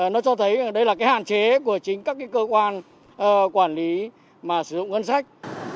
nó cho thấy đây là hạn chế của chính các cơ quan quản lý mà sử dụng ngân sách